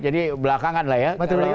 jadi belakangan lah ya